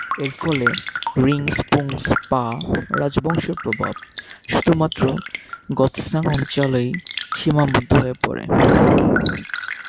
এরফলে রিং-স্পুংস-পা রাজবংশের প্রভাব শুধুমাত্র গ্ত্সাং অঞ্চলেই সীমাবদ্ধ হয়ে পড়ে।